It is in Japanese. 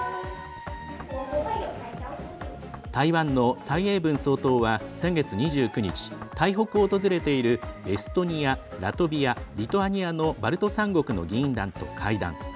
台湾の蔡英文総統は先月２９日台北を訪れている、エストニアラトビア、リトアニアのバルト３国の議員団と会談。